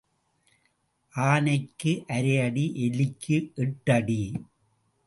ஆனைக்கு அரைஅடி எலிக்கு எட்டு அடி.